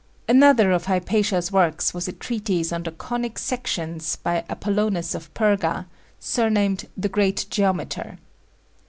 Another of Hypatia's works was a treatise on the Conic Sections by Apollonius of Perga surnamed "The Great Geometer."